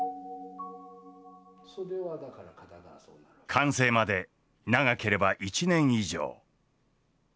完成まで長ければ１年以上。